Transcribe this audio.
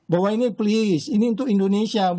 bahwa ini please ini untuk indonesia